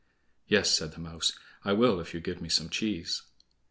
"Yes," said the mouse, "I will, if you will give me some cheese."